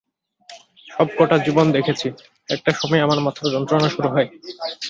সব কটা জীবনে দেখেছি, একটা সময়ে আমার মাথার যন্ত্রণা শুরু হয়।